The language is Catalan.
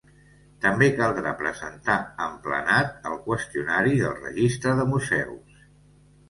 També caldrà presentar emplenat el Qüestionari del Registre de Museus.